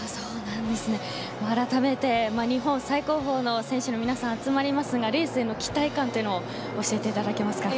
あらためて日本最高峰の選手の皆さんが集まりますがレースへの期待感教えていただけますか。